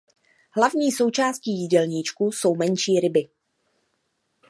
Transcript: Hlavní součástí jídelníčku jsou menší ryby.